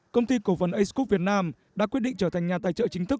công ty cổ phần acecop việt nam đã quyết định trở thành nhà tài trợ chính thức